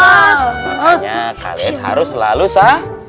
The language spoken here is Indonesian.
makanya kalian harus selalu sa